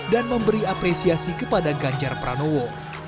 dan memberi apresiasi kepada ganjar pranowo